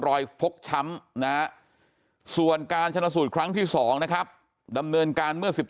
ฟกช้ำนะส่วนการชนะสูตรครั้งที่๒นะครับดำเนินการเมื่อ๑๗